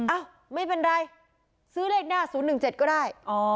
อ้าวไม่เป็นไรซื้อเลขหน้า๐๑๗ก็ได้